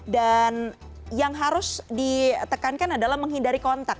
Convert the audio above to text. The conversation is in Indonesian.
dan yang harus ditekankan adalah menghindari kontak